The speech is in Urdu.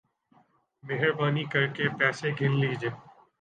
مہربانی کر کے پیسے گن لیجئے